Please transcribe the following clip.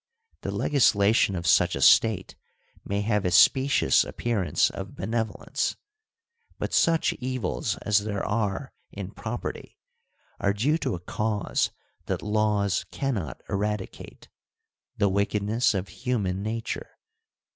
The legislation of such a State may have a specious appearance of benevolence, but such evils as there are in property are due to a cause that laws cannot eradicate : the wickedness of human nature.